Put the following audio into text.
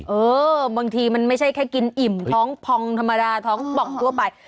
เออบางทีมันไม่ใช่แค่กินอิ่มท้องพองธรรมดาท้องป่องทั่วไป